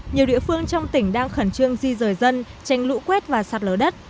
nhiều địa phương trong tỉnh đang khẩn trương di rời dân tranh lũ quét và sạt lở đất